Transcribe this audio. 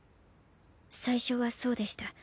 最初はそうでした。